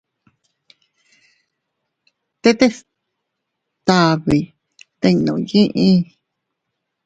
Tet stabi tinnu yiʼi.